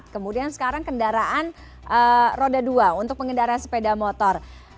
kemudian sekarang kendaraan roda dua untuk pengendara sepeda motor